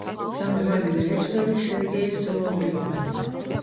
დამდგმელი რეჟისორი სერგეი სოლოვიოვი.